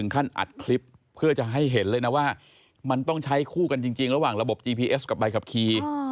แค่ให้เขียนใบสั่งมาไปจ่ายภาพปรับที่สอนนแค่นั้น